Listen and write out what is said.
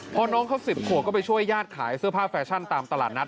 พอน้องเขา๑๐ขวบก็ไปช่วยญาติขายเสื้อผ้าแฟชั่นตามตลาดนัด